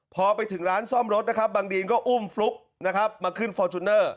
พอไปถึงร้านซ่อมรถนะครับบังดีนก็อุ้มฟลุ๊กนะครับมาขึ้นฟอร์จูเนอร์